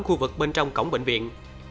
khu vực bên trong cổng bệnh viện